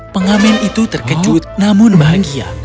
pengamen itu terkejut namun bahagia